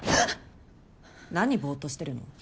何ボーッとしてるの？